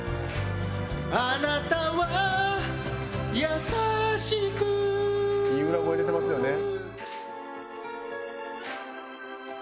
「あなたはやさしく」いい裏声出てますよね。